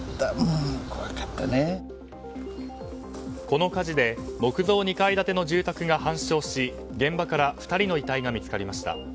この火事で木造２階建ての住宅が半焼し現場から２人の遺体が見つかりました。